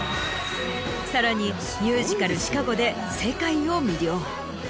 さらにミュージカル『シカゴ』で世界を魅了。